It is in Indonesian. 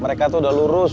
mereka tuh dalur harus